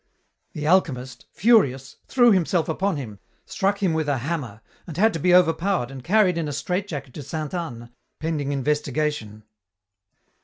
The alchemist, furious, threw himself upon him, struck him with a hammer, and had to be overpowered and carried in a strait jacket to Saint Anne, pending investigation.